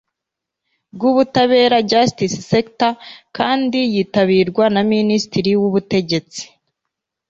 rw Ubutabera Justice Sector kandi yitabirwa na Minisitiri w Ubutegetsi